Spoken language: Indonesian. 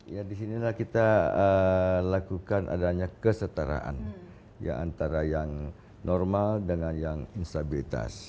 ya disinilah kita lakukan adanya kesetaraan ya antara yang normal dengan yang instabilitas